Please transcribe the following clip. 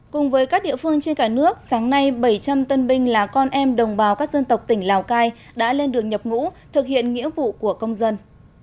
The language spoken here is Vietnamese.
cùng với các địa phương trên cả nước sáng nay bảy trăm linh tân binh là con em đồng bào các dân tộc tỉnh lào cai đã lên đường nhập ngũ thực hiện nghĩa vụ của công dân